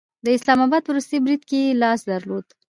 د اسلام آباد په وروستي برید کې یې لاس درلود